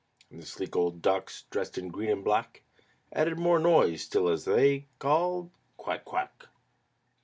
And the sleek old ducks, dressed in green and black, Added more noise still as they called "Quack! Quack!"